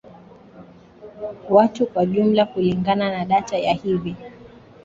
watu Kwa jumla kulingana na data ya hivi